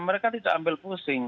mereka tidak ambil pusing